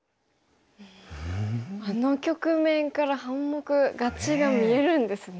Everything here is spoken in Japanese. あの局面から半目勝ちが見えるんですね。